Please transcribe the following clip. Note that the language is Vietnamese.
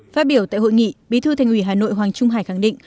phát biểu tại hội nghị bí thư thành ủy hà nội hoàng trung hải khẳng định